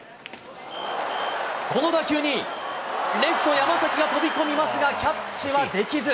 この打球にレフト、山崎が飛び込みますが、キャッチはできず。